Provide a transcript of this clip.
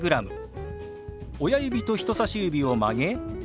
親指と人さし指を曲げ